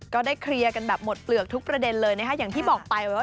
ก็ได้เคลียร์กันแบบหมดเปลือกทุกประเด็นเลยนะคะอย่างที่บอกไปว่า